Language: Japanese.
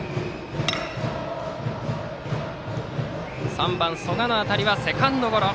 ３番、曽我の当たりはセカンドゴロ。